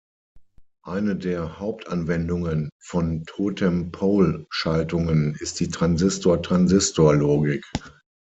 Eine der Hauptanwendungen von Totem-Pole-Schaltungen ist die Transistor-Transistor-Logik.